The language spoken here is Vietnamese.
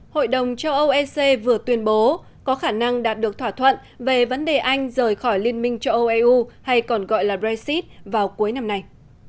hội đồng châu âu ec vừa tuyên bố có khả năng đạt được thỏa thuận về vấn đề anh rời khỏi liên minh châu âu eu hay còn gọi là brexit vào cuối năm nay